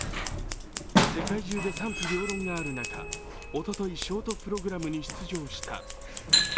世界中で賛否両論がある中、おとといショートプログラムに出場した。